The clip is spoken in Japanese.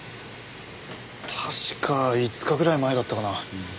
確か５日ぐらい前だったかな。